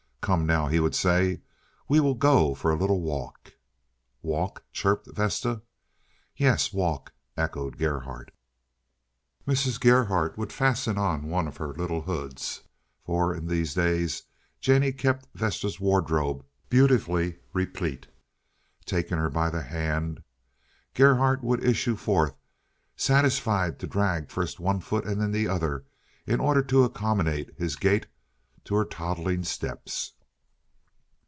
"Come, now," he would say, "we will go for a little walk." "Walk," chirped Vesta. "Yes, walk," echoed Gerhardt. Mrs. Gerhardt would fasten on one of her little hoods, for in these days Jennie kept Vesta's wardrobe beautifully replete. Taking her by the hand, Gerhardt would issue forth, satisfied to drag first one foot and then the other in order to accommodate his gait to her toddling steps.